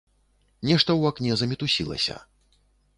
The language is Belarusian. Нешта ў акне замітусілася.